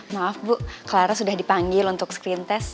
maaf bu clara sudah dipanggil untuk screen test